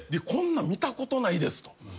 こんなん見たことないですと。